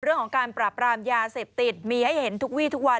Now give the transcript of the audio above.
เรื่องของการปราบรามยาเสพติดมีให้เห็นทุกวีทุกวัน